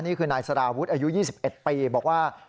นี่คือนายสารวุฒิอายุ๒๑ปีบอกว่า